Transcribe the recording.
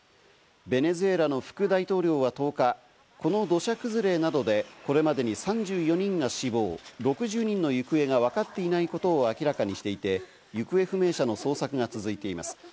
ベネズエラの副大統領は１０日、この土砂崩れなどでこれまでに３４人が死亡、６０人の行方がわかっていないことを明らかにしていて行方不明者の捜索が続いています。